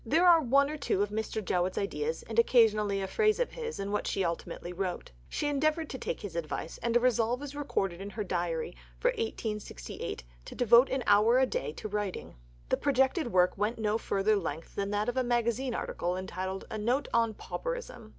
There are one or two of Mr. Jowett's ideas, and occasionally a phrase of his, in what she ultimately wrote. She endeavoured to take his advice, and a resolve is recorded in her diary for 1868 to devote an hour a day to writing. The projected work went to no further length than that of a magazine article entitled "A Note on Pauperism."